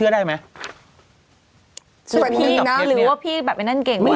ดีไหมว่าพี่กลุ่มการเก่งไหม